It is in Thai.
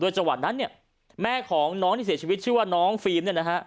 จังหวัดนั้นเนี่ยแม่ของน้องที่เสียชีวิตชื่อว่าน้องฟิล์มเนี่ยนะฮะ